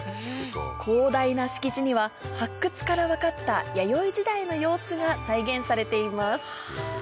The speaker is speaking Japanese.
広大な敷地には発掘から分かった弥生時代の様子が再現されています